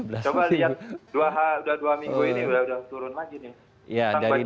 coba lihat udah dua minggu ini udah turun lagi nih